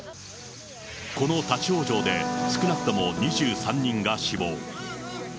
この立往生で少なくとも２３人が死亡。